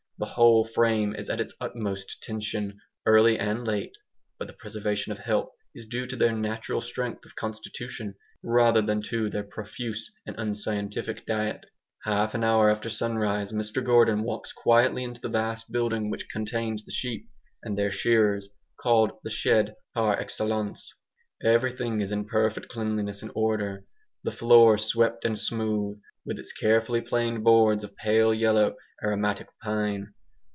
The whole frame is at its utmost tension, early and late. But the preservation of health is due to their natural strength of constitution rather than to their profuse and unscientific diet. Half an hour after sunrise Mr Gordon walks quietly into the vast building which contains the sheep and their shearers called "the shed," par excellence. Everything is in perfect cleanliness and order the floor swept and smooth, with its carefully planed boards of pale yellow aromatic pine.